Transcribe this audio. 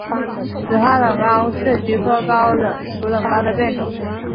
紫花冷蒿是菊科蒿属冷蒿的变种。